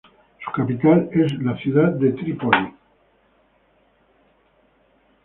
Su capital es la ciudad de Trípoli.